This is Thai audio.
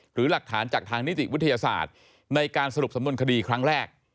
หรือหลักฐานจากทางนิติวิทยาศาสตร์ในการสรุปสำนวนคดีครั้งแรก